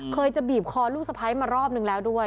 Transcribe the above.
เคยจะบีบคอลูกสะพ้ายมารอบนึงแล้วด้วย